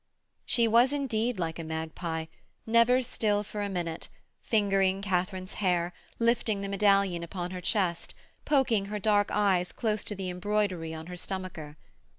She was, indeed, like a magpie, never still for a minute, fingering Katharine's hair, lifting the medallion upon her chest, poking her dark eyes close to the embroidery on her stomacher.